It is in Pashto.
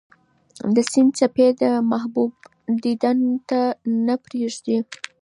د سیند څپې د محبوب دیدن ته نه پرېږدي.